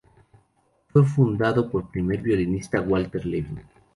Fue fundado por primer violinista Walter Levin.